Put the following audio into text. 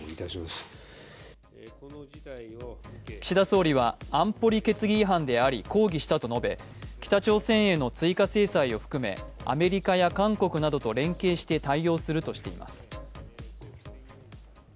岸田総理は安保理決議違反であり、抗議したと述べ北朝鮮への追加制裁を含めアメリカや韓国などと連携して対応するとしています。